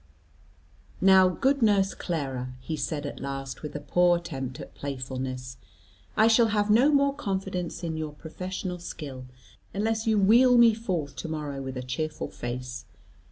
"Now, good nurse Clara," he said at last with a poor attempt at playfulness, "I shall have no more confidence in your professional skill, unless you wheel me forth to morrow with a cheerful face.